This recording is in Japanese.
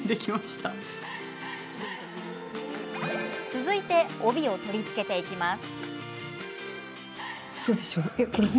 続いて帯を取り付けていきます。